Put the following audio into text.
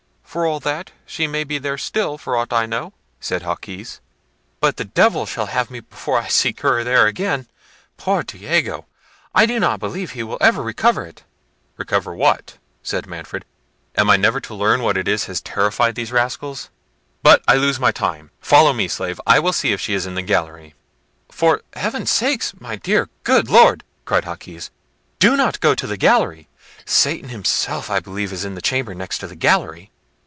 "For all that, she may be there still for aught I know," said Jaquez; "but the devil shall have me before I seek her there again—poor Diego! I do not believe he will ever recover it." "Recover what?" said Manfred; "am I never to learn what it is has terrified these rascals?—but I lose my time; follow me, slave; I will see if she is in the gallery." "For Heaven's sake, my dear, good Lord," cried Jaquez, "do not go to the gallery. Satan himself I believe is in the chamber next to the gallery."